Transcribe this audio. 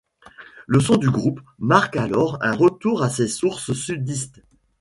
Le son du groupe marque alors un retour à ses sources sudistes.